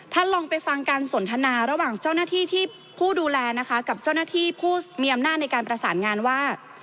ลองไปฟังการสนทนาระหว่างเจ้าหน้าที่ที่ผู้ดูแลนะคะกับเจ้าหน้าที่ผู้มีอำนาจในการประสานงานว่า